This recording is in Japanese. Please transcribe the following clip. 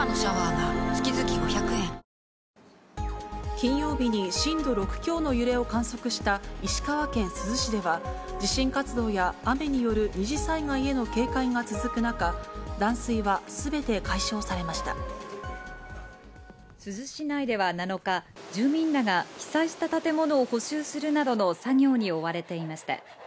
金曜日に震度６強の揺れを観測した石川県珠洲市では、地震活動や雨による二次災害への警戒が続く中、珠洲市内では７日、住民らが被災した建物を補修するなどの作業に追われていました。